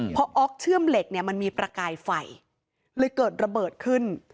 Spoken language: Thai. พอออกเชื่อมเหล็กเนี่ยมันมีประกายไฟเลยเกิดระเบิดขึ้น